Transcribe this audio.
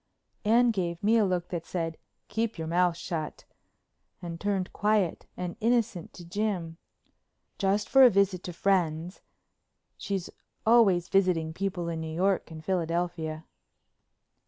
Anne gave me a look that said, "Keep your mouth shut," and turned quiet and innocent to Jim. "Just for a visit to friends. She's always visiting people in New York and Philadelphia."